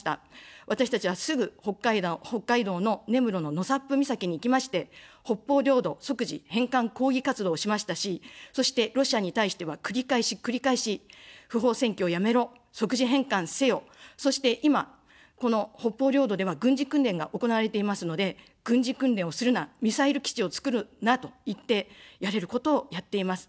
私たちは、すぐ、北海道の根室の納沙布岬に行きまして、北方領土即時返還抗議活動をしましたし、そしてロシアに対しては繰り返し繰り返し、不法占拠をやめろ、即時返還せよ、そして今、この北方領土では軍事訓練が行われていますので、軍事訓練をするな、ミサイル基地を造るなと言って、やれることをやっています。